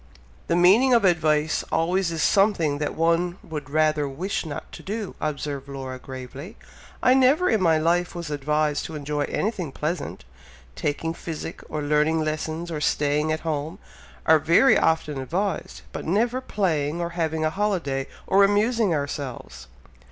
"The meaning of advice always is something that one would rather wish not to do," observed Laura, gravely. "I never in my life was advised to enjoy anything pleasant! Taking physic or learning lessons or staying at home, are very often advised, but never playing or having a holiday or amusing ourselves!"